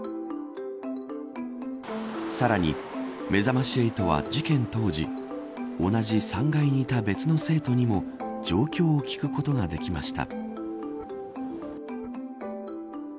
さらに、めざまし８は事件当時同じ３階にいた別の生徒にも状況を聞くことができました。